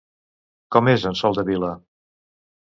Com és en Soldevila?